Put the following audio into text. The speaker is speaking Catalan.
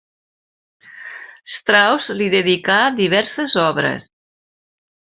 Strauss li dedicà diverses obres.